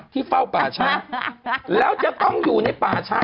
เฝ้าป่าช้าแล้วจะต้องอยู่ในป่าช้า